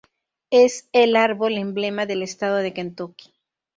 Es el árbol emblema del estado de Kentucky.